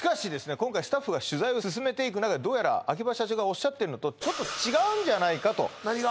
今回スタッフが取材を進めていくなかでどうやら秋葉社長がおっしゃってるのとちょっと違うんじゃないかと何が？